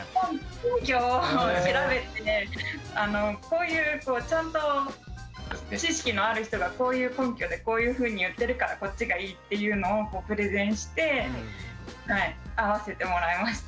根拠を調べてこういうちゃんと知識のある人がこういう根拠でこういうふうに言ってるからこっちがいいっていうのをプレゼンして合わせてもらいました。